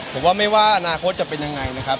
ผมว่าไม่ว่าอนาคตจะเป็นยังไงนะครับ